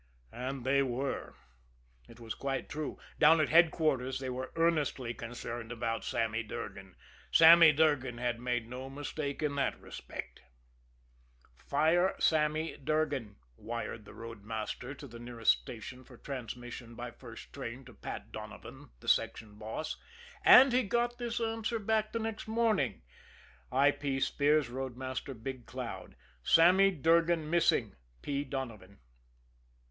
And they were. It was quite true. Down at headquarters they were earnestly concerned about Sammy Durgan. Sammy Durgan had made no mistake in that respect. "Fire Sammy Durgan," wired the roadmaster to the nearest station for transmission by first train to Pat Donovan, the section boss and he got this answer back the next morning: I. P. SPEARS, Roadmaster, Big Cloud: Sammy Durgan missing. P. DONOVAN."